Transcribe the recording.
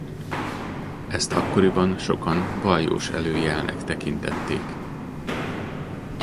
Ezt akkoriban sokan baljós előjelnek tekintettek.